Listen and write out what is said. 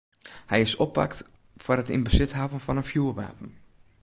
Hy is oppakt foar it yn besit hawwen fan in fjoerwapen.